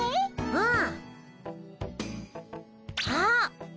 うん。